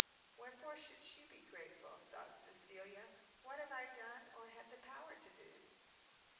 "Wherefore should she be grateful," thought Cecilia, "what have I done, or had power to do?